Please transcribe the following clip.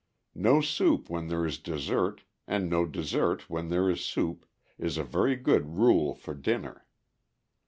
No soup when there is dessert and no dessert when there is soup, is a very good rule for dinner.